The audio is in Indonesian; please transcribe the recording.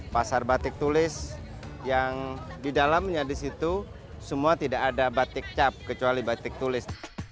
pasar batik tulis yang di dalamnya di situ semua tidak ada batik cap kecuali batik tulis